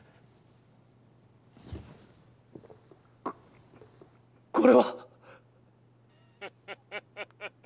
ここれは！